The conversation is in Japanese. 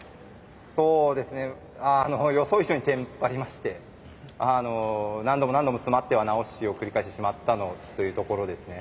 そうですね予想以上にテンパりまして何度も何度も詰まっては直しを繰り返してしまったというところですね。